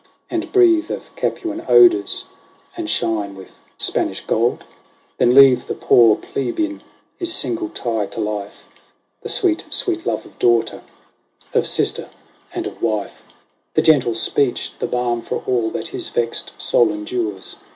And breathe of Capuan odours, and shine with Spanish gold ? Then leave the poor Plebeian his single tie to life — The sweet, sweet love of daughter, of sister, and of wife. The gentle speech, the balm for all that his vexed soul endures.